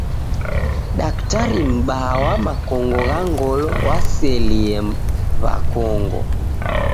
Daktari m'baa wa makongo gha ngolo waselie w'akongo.